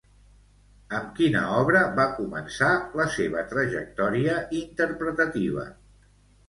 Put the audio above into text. Amb quina obra va començar la seva trajectòria interpretativa?